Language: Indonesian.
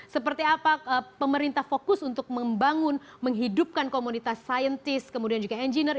seperti apa pemerintah fokus untuk membangun menghidupkan komunitas saintis kemudian juga engineer